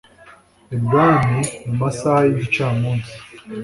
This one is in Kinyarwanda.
ibwami mumasaha yigica munsi